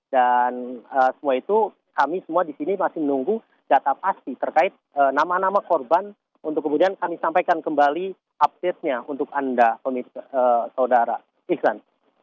dan semua itu kami semua di sini masih menunggu data pasti terkait nama nama korban untuk kemudian kami sampaikan kembali update nya untuk anda pemirsa saudara islam